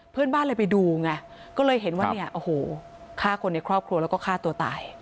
เพื่อนบ้านเลยไปดูไงก็เลยเห็นว่าเนี่ยโอ้โหฆ่าคนในครอบครัวแล้วก็ฆ่าตัวตาย